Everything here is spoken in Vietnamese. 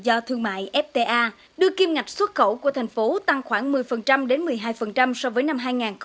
và việt nam tham gia các hiệp định tự do thương mại được kiêm ngạch xuất khẩu của thành phố tăng khoảng một mươi đến một mươi hai so với năm hai nghìn một mươi bảy